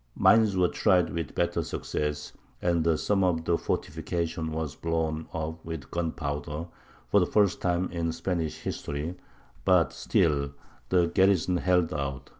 Mines were tried with better success, and some of the fortifications were blown up with gunpowder, for the first time in Spanish history; but still the garrison held out.